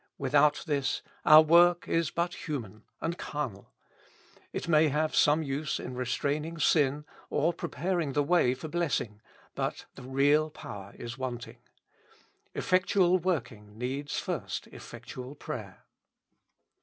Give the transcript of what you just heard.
Without this our work is but human and carnal ; it may have some use in restraining sin, or preparing the way for blessing, but the real power is wanting. Effectual working needs first effectual prayer.